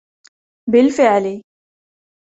بالفعل.